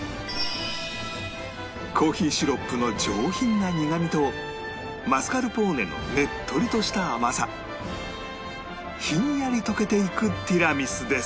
コーヒーシロップの上品な苦みとマスカルポーネのねっとりとした甘さひんやり溶けていくティラミスです